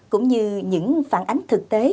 cũng như những phản ánh thực tế